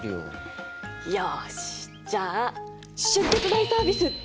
よしじゃあ出血大サービス！